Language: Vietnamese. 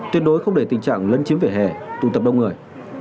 tuyệt đối không để tình trạng lân chiếm vệ hẻ tụ tập đông người